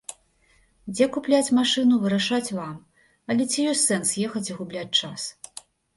Дзе купляць машыну, вырашаць вам, але ці ёсць сэнс ехаць і губляць час?